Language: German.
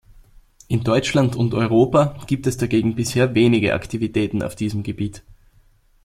In Deutschland und Europa gibt es dagegen bisher wenige Aktivitäten auf diesem Gebiet.